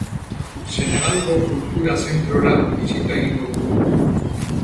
Senegalgo kultura zentrora bisita egingo dugu.